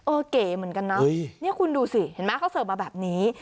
เก๋เหมือนกันนะนี่คุณดูสิเห็นไหมเขาเสิร์ฟมาแบบนี้